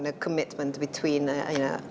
ada komitmen yang kuat